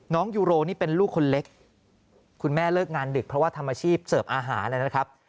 ยูโรนี่เป็นลูกคนเล็กคุณแม่เลิกงานดึกเพราะว่าทำอาชีพเสิร์ฟอาหารนะครับ